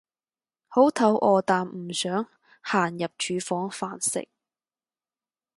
好肚餓但唔想行入廚房飯食